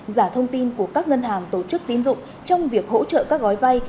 giả thông tin của các ngân hàng tổ chức tín dụng trong việc hỗ trợ các gói vay